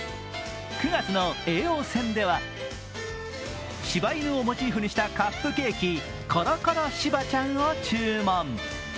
９月の叡王戦では、しば犬をモチーフにしたカップケーキ、コロコロしばちゃんを注文。